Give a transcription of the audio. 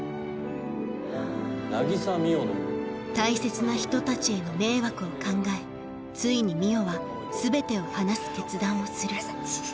大切な人たちへの迷惑を考えついに海音は全てを話す決断をするうるさい！